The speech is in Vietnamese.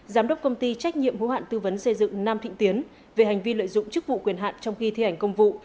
giám đốc công ty trách nhiệm hữu hạn tư vấn xây dựng nam thịnh tiến về hành vi lợi dụng chức vụ quyền hạn trong khi thi hành công vụ